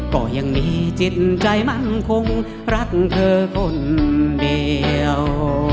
ก็ยังมีจิตใจมั่งคงรักเธอคนเดียว